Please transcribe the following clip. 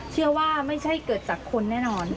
เชื่อว่าไม่ใช่เกิดจากคนแน่นอน